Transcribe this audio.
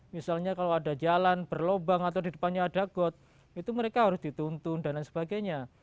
misalnya kalau ada jalan berlobang atau di depannya ada got itu mereka harus dituntun dan lain sebagainya